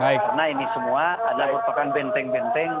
karena ini semua adalah benteng benteng